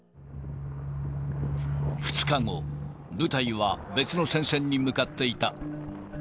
２日後、部隊は別の戦線に向かっていた。